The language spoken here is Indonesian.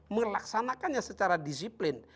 melaksanakannya secara disiplin